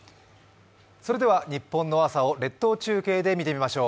それでは、ニッポンの朝を列島中継で見てみましょう。